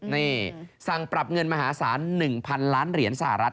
นี่สั่งปรับเงินมหาศาล๑๐๐๐ล้านเหรียญสหรัฐ